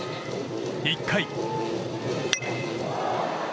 １回。